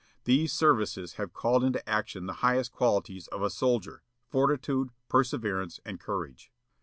These services have called into action the highest qualities of a soldier fortitude, perseverance, and courage."